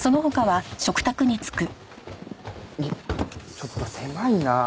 ちょっと狭いなあ。